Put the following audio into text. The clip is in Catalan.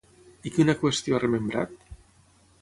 I quina qüestió ha remembrat?